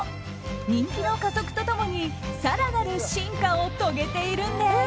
人気の加速と共に更なる進化を遂げているんです。